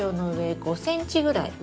５ｃｍぐらい上。